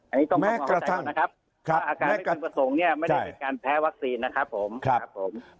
อันนี้ต้องความเข้าใจก่อนนะครับอาการไม่พึงประสงค์ไม่ได้เป็นการแพ้วัคซีนนะครับผม